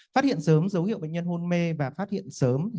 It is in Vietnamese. phát hiện sớm dấu hiệu bệnh nhân hôn mê và phát hiện sớm